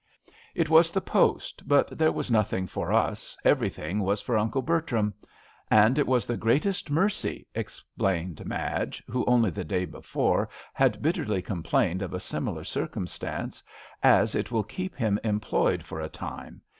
"It was the post, but there was nothing for us, everything Was for Uncle Bertram. And it Was the greatest mercy," ex A RAINY DAY. 139 plained Madge, who only the day before had bitterly com plained of a similar circumstance, ''as it will keep him employed for a time.